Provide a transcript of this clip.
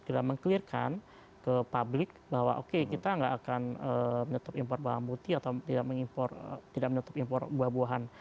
dikeliarkan ke publik bahwa oke kita nggak akan menutup impor bawang putih atau tidak menutup impor buah buahan